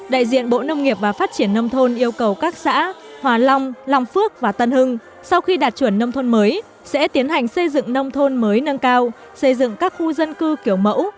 đại diện bộ nông nghiệp và phát triển nông thôn yêu cầu các xã hòa long long phước và tân hưng sau khi đạt chuẩn nông thôn mới sẽ tiến hành xây dựng nông thôn mới nâng cao xây dựng các khu dân cư kiểu mẫu